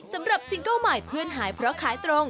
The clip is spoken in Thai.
สำหรับซิงเก้าใหม่เพื่อนหายเพราะขายตรง